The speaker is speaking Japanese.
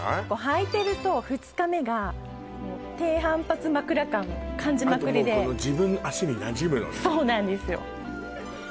履いてると２日目がもう低反発枕感感じまくりでこの自分の足になじむのねそうなんですよ